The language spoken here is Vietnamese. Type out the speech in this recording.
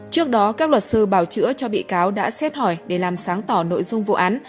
trước đó các luật sư bảo chữa cho bị cáo đã xét hỏi để làm sáng tỏ nội dung vụ án